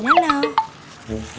nggak enggak enggak